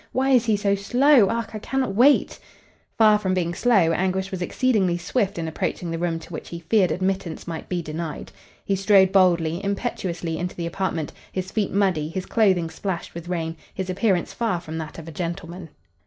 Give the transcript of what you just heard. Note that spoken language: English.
Why is he so slow? Ach, I cannot wait!" Far from being slow, Anguish was exceedingly swift in approaching the room to which he feared admittance might be denied. He strode boldly, impetuously into the apartment, his feet muddy, his clothing splashed with rain, his appearance far from that of a gentleman.